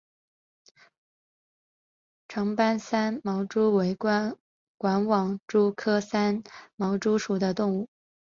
长斑三栉毛蛛为管网蛛科三栉毛蛛属的动物。